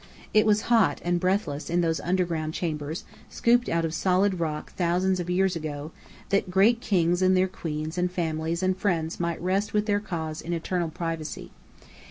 It was hot and breathless in those underground chambers, scooped out of solid rock thousands of years ago, that great kings and their queens and families and friends might rest with their kas in eternal privacy.